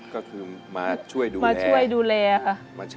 ก็คือมาช่วยดูแลมาช่วยดูแลค่ะ